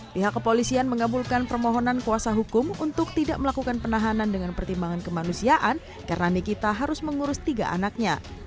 pihak kepolisian mengabulkan permohonan kuasa hukum untuk tidak melakukan penahanan dengan pertimbangan kemanusiaan karena nikita harus mengurus tiga anaknya